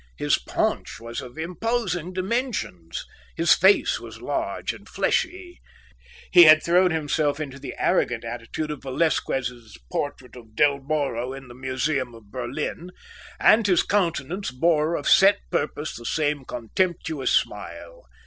His paunch was of imposing dimensions. His face was large and fleshy. He had thrown himself into the arrogant attitude of Velasquez's portrait of Del Borro in the Museum of Berlin; and his countenance bore of set purpose the same contemptuous smile.